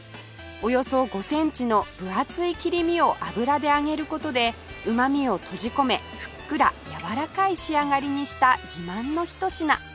およそ５センチの分厚い切り身を油で揚げる事でうまみを閉じ込めふっくらやわらかい仕上がりにした自慢のひと品